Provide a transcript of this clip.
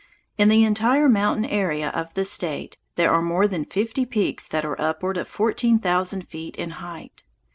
In the entire mountain area of the State there are more than fifty peaks that are upward of fourteen thousand feet in height.